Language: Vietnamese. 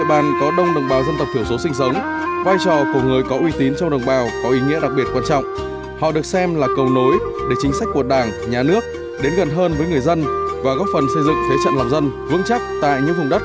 các bạn hãy đăng ký kênh để ủng hộ kênh của chúng mình nhé